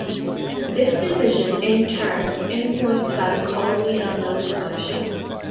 This decision, in turn, influenced the colony of Nova Scotia.